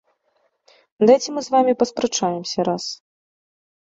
Дайце мы з вамі паспрачаемся раз.